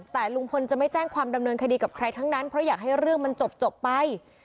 แต่ลุงพลจะไม่แจ้งความดำเนินคดีกับใครทั้งนั้นเพราะอยากให้เรื่องมันจบไป